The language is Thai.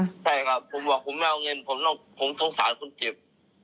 ใช่ครับผมบอกผมไม่เอาเงินผมสงสารคนเจ็บ